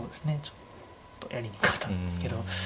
ちょっとやりにくかったんですけど。